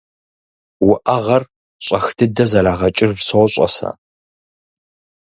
- Уӏэгъэр щӏэх дыдэ зэрагъэкӏыж сощӏэ сэ.